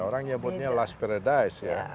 orang nyebutnya last paradise ya